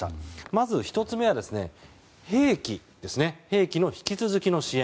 まず、１つ目は兵器の引き続きの支援。